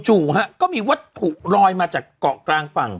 ก็มีวัตถุลอยมาจากเกาะกลางฝั่ง